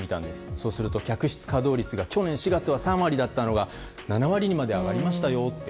そうすると客室稼働率が去年４月は３割だったのが７割にまで上がりましたよって。